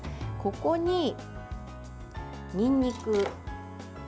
ここに、にんにく。